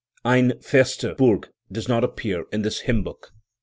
"Ein feste Burg" does not appear in this hymn book.